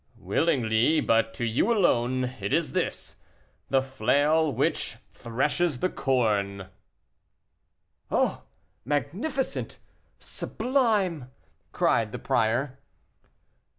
"Willingly, but to you alone; it is this: 'The flail which threshes the corn.'" "Oh, magnificent! sublime!" cried the prior.